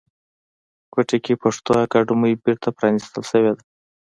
کوټې کې پښتو اکاډمۍ بیرته پرانیستل شوې ده